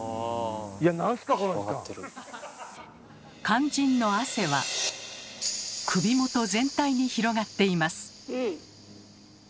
肝心の汗は首元全体に広がっています。